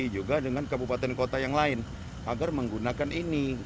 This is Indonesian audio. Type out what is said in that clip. juga dengan kabupaten kota yang lain agar menggunakan ini